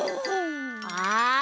あ！